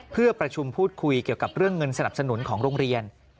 เพื่อประชุมพูดคุยเกี่ยวกับเรื่องเงินสนับสนุนของโรงเรียน